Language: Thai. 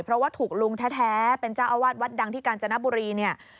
เพราะว่าถูกลุงแท้เป็นเจ้าอาวาสวัดดังที่กาญจนบุรีเนี่ย